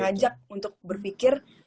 ngajak untuk berpikir